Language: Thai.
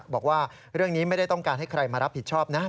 บอกว่าเรื่องนี้ไม่ได้ต้องการให้ใครมารับผิดชอบนะ